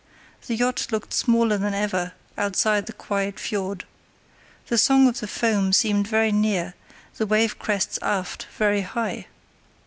The yacht looked smaller than ever outside the quiet fiord. The song of the foam seemed very near, the wave crests aft very high.